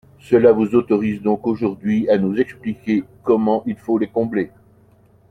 Cela vous autorise donc aujourd’hui à nous expliquer comment il faut les combler.